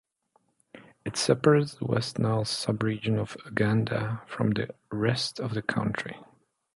It separates the West Nile sub-region of Uganda from the rest of the country.